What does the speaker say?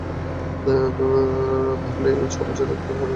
ভাবলে এই ছ বছরে একবার হলেও আসতে আমার কাছে।